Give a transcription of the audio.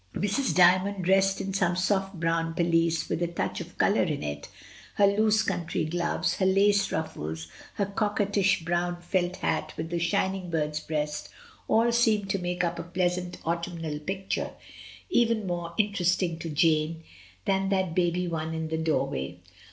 Mrs. D)rmond dressed in some soft brown pelisse with a touch of colour in it, her loose country gloves, her lace ruffles, her coquettish brown felt hat with the shining bird's breast, all seemed to make up a pleasant autumnal picture, even more interesting to Jane than that baby one in the doorway.